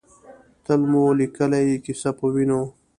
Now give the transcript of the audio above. تل مو لیکلې ، کیسه پۀ وینو